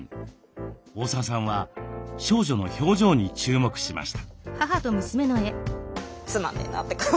大澤さんは少女の表情に注目しました。